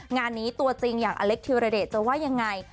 งานนี้ตัวจริงอย่างอเล็กธิรเดชจะว่ายังไง